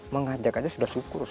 mengajak saja sudah syukur